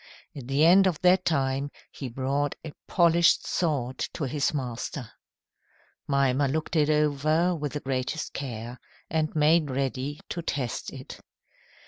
At the end of that time he brought a polished sword to his master. Mimer looked it over with the greatest care and made ready to test it.